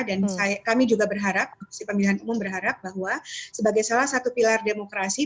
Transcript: dan kami juga berharap pemilihan umum berharap bahwa sebagai salah satu pilar demokrasi